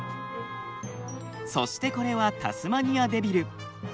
そしてこれはタスマニアデビル。